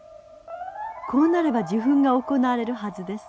こうなれば受粉が行われるはずです。